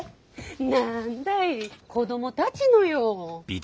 何だい子供たちのよ。